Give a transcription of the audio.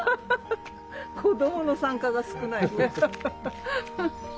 子どもの参加が少ない。